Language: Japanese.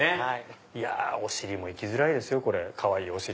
お尻もいきづらいかわいいお尻。